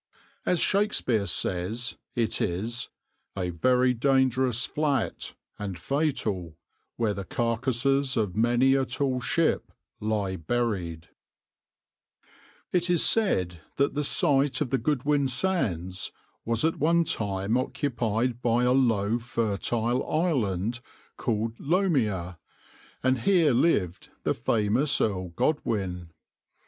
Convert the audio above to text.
As Shakespeare says, it is "a very dangerous flat, and fatal, where the carcasses of many a tall ship lie buried."\par \vs {\noindent} It is said that the site of the Goodwin Sands was at one time occupied by a low fertile island, called Lomea, and here lived the famous Earl Godwin.